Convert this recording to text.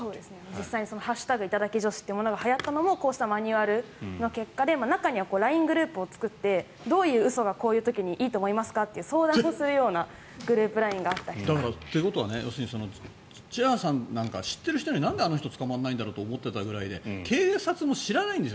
実際に「＃頂き女子」というものがはやったのもこうしたマニュアルの結果で中にはＬＩＮＥグループを作ってどういう嘘がこういう時にいいと思いますかという相談をするようなグループＬＩＮＥがあったりとか。ということはチワワさんなんか知ってる人になんであの人捕まらないんだろうと思ってたくらいで警察も知らないんです。